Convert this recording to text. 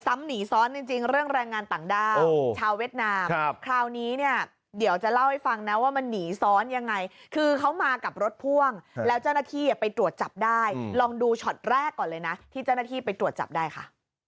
หนีซ้อนจริงเรื่องแรงงานต่างด้าวชาวเวียดนามคราวนี้เนี่ยเดี๋ยวจะเล่าให้ฟังนะว่ามันหนีซ้อนยังไงคือเขามากับรถพ่วงแล้วเจ้าหน้าที่ไปตรวจจับได้ลองดูช็อตแรกก่อนเลยนะที่เจ้าหน้าที่ไปตรวจจับได้ค่ะ